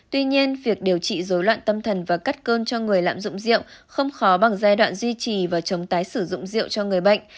tuy nhiên việc điều trị dối loạn tâm thần và cắt cơn cho người lạm dụng rượu không khó bằng giai đoạn duy trì và chống tái sử dụng rượu cho người bệnh